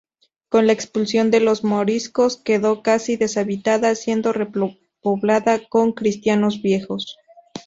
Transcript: Con la expulsión de los moriscos, quedó casi deshabitada, siendo repoblada con cristianos viejos.